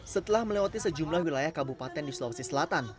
setelah melewati sejumlah wilayah kabupaten di sulawesi selatan